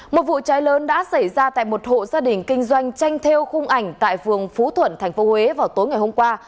một vụ cháy lớn đã xảy ra tại một hộ gia đình kinh doanh tranh theo khung ảnh tại phường phú thuận tp huế vào tối ngày hôm qua